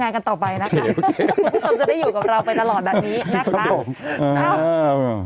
คุณผู้ชมจะได้อยู่กับเราไปตลอดแบบนี้ยักษ์นะ